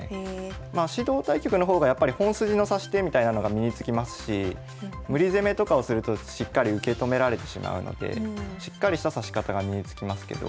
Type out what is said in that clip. まあ指導対局の方がやっぱり本筋の指し手みたいなのが身につきますし無理攻めとかをするとしっかり受け止められてしまうのでしっかりした指し方が身につきますけど。